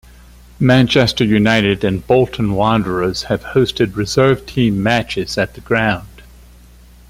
Manchester United and Bolton Wanderers have hosted reserve-team matches at the ground.